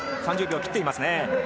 ３０秒を切っています。